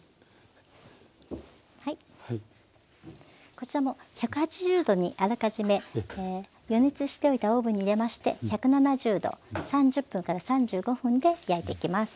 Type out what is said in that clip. こちらも１８０℃にあらかじめ予熱しておいたオーブンに入れまして１７０℃３０分３５分で焼いていきます。